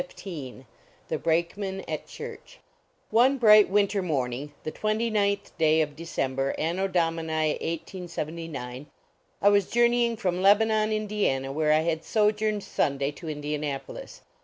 I 9 6 THE BRAKEMAN AT CHURCH xv NE bright winter morning, the twenty ninth day of Decem ber, Anno Domini 18/9, I was journeying from Lebanon, In diana, where I had sojourned Sunday, to Indianapolis.